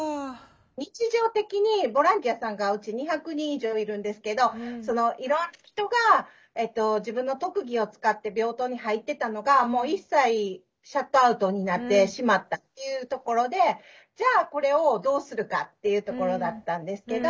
日常的にボランティアさんがうち２００人以上いるんですけどいろんな人が自分の特技を使って病棟に入ってたのがもう一切シャットアウトになってしまったっていうところでじゃあこれをどうするか？っていうところだったんですけど。